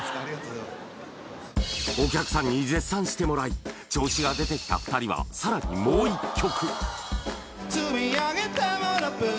ございますお客さんに絶賛してもらい調子が出てきた２人はさらにもう一曲！